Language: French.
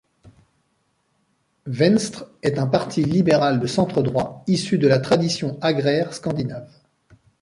Venstre est un parti libéral de centre-droit, issu de la tradition agraire scandinave.